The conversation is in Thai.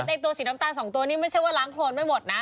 ไอ้ตัวสีน้ำตาลสองตัวนี่ไม่ใช่ว่าล้างโครนไม่หมดนะ